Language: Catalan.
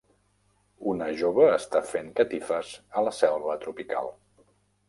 Una jove està fent catifes a la selva tropical